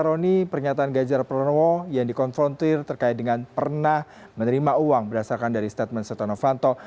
roni pernyataan ganjar pranowo yang dikonfrontir terkait dengan pernah menerima uang berdasarkan dari statement setonofanto